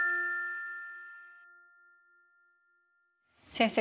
先生